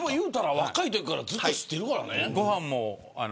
若いときからずっと知ってるからね。